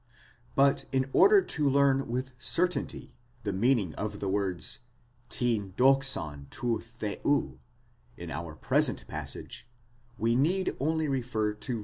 But in order to learn with certainty the meaning of the words τὴν δόξαν rod θεοῦ in our present passage we need only refer to v.